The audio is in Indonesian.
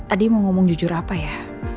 adik mau ngomong jujur apa ya